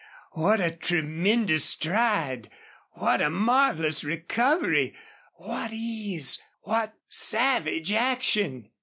What a tremendous stride! What a marvelous recovery! What ease! What savage action!